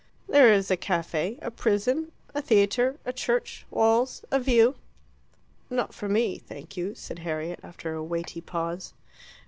"There is a caffe. A prison. A theatre. A church. Walls. A view." "Not for me, thank you," said Harriet, after a weighty pause.